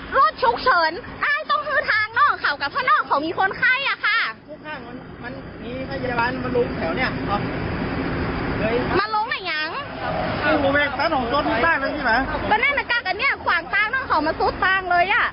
มันหลายข้าง